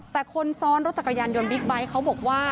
แต่คนซ้อนรถจักรยานยนต์บิ๊กไบท์เขาบอกว่า